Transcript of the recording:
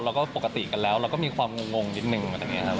เราก็ปกติกันแล้วเราก็มีความงงนิดหนึ่งแบบนี้ครับ